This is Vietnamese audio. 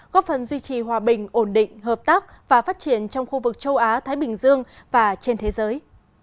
góp phần duy trì hòa bình ổn định hợp tác và phát triển trong khu vực châu á thái bình dương và trên thế giới